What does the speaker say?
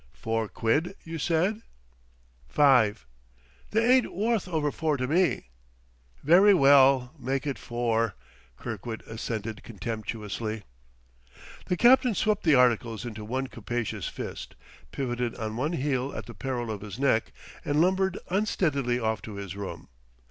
Four quid, you said?" "Five...." "They ain't wuth over four to me." "Very well; make it four," Kirkwood assented contemptuously. The captain swept the articles into one capacious fist, pivoted on one heel at the peril of his neck, and lumbered unsteadily off to his room.